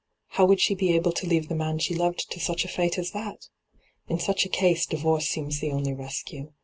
How would she be able to leave the man she loved to such a fate as that ? In such a case divorce seems the only rescue.